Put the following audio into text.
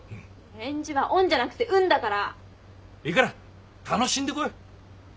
返事は「おん」じゃなくて「うん」だから！いいから楽しんでこい。